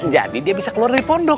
jadi dia bisa keluar dari pondok